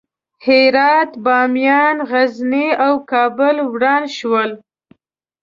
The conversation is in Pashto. هرات، بامیان، غزني او کابل وران شول.